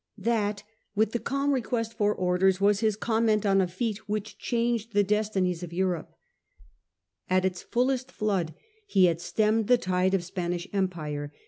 That, with the calm request for orders, was his comment on a feat which changed the destinies of Europe; At its fullesTBooB he had stemmed the tide of Spanish Empire.